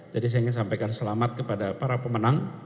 jadi saya ingin sampaikan selamat kepada para pemenang